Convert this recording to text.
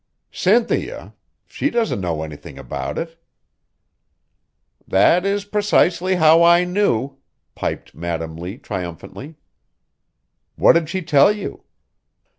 "Cynthia? She doesn't know anything about it." "That is precisely how I knew," piped Madam Lee triumphantly. "What did she tell you?"